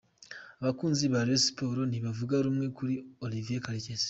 Abakunzi ba Rayon Sports ntibavuga rumwe kuri Olivier Karekezi.